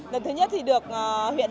lần thứ nhất thì được huyện nam định